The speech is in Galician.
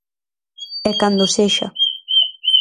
E cando sexa.